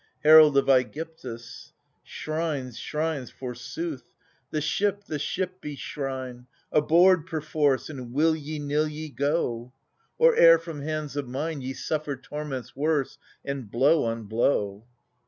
Herald of ^gyptus. Shrines, shrines, forsooth! — the ship, the ship be shrine. Aboard, perforce and will ye nill ye, go ! Or e'er from hands of mine Ye suffer torments worse and blow on blow.